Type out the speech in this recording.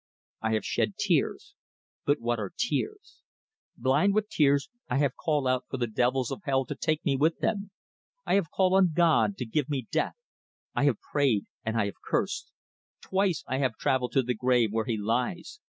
I have shed tears but what are tears! Blind with tears I have call out for the devils of hell to take me with them. I have call on God to give me death. I have prayed, and I have cursed. Twice I have travelled to the grave where he lies.